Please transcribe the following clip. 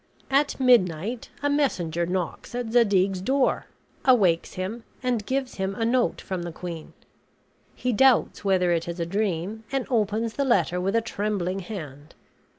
At midnight a messenger knocks at Zadig's door, awakes him, and gives him a note from the queen. He doubts whether it is a dream; and opens the letter with a trembling hand.